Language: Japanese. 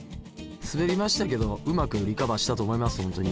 滑りましたけどもうまくリカバーしたと思います本当に。